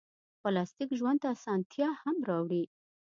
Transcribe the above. پلاستيک ژوند ته اسانتیا هم راوړي.